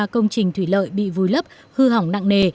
ba công trình thủy lợi bị vùi lấp hư hỏng nặng nề